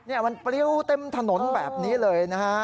นี่มันปริ้วเต็มถนนแบบนี้เลยนะฮะ